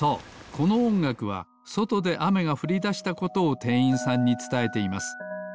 このおんがくはそとであめがふりだしたことをてんいんさんにつたえています。